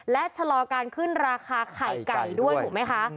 และชะลอการขึ้นราคาไข่ไก่ด้วยถูกไหมคะ